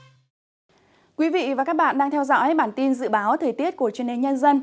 thưa quý vị và các bạn đang theo dõi bản tin dự báo thời tiết của truyền hình nhân dân